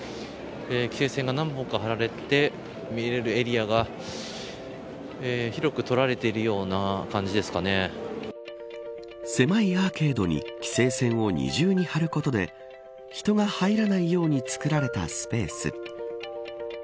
規制線が何本か張られて見えるエリアが広くとられているような狭いアーケードに規制線を二重に張ることで人が入らないように作られたスペース。